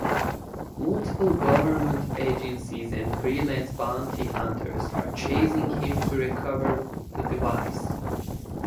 Multiple government agencies and freelance bounty hunters are chasing him to recover the device.